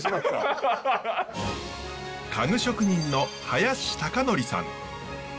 家具職人の林貴徳さん。